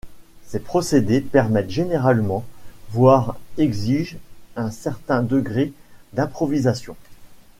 Ces procédés permettent généralement, voire exigent un certain degré d' improvisation.